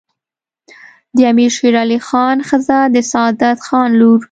د امیر شیرعلي خان ښځه د سعادت خان لور